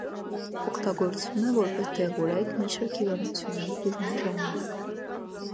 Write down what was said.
Օգտագործվում է որպես դեղորայք մի շարք հիվանդությունների բուժման ժամանակ։